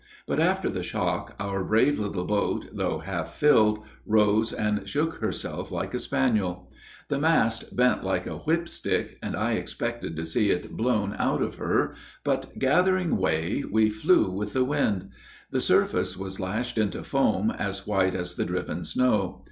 But after the shock, our brave little boat, though half filled, rose and shook herself like a spaniel. The mast bent like a whip stick, and I expected to see it blown out of her, but, gathering way, we flew with the wind. The surface was lashed into foam as white as the driven snow.